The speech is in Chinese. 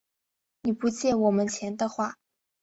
你不借我们钱的话